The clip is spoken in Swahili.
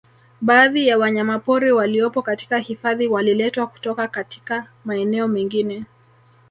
Baadhi ya wanyamapori waliopo katika hifadhi waliletwa kutoka katika maeneo mengine